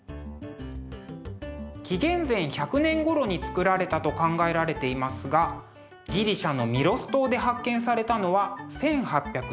紀元前１００年ごろに作られたと考えられていますがギリシャのミロス島で発見されたのは１８２０年。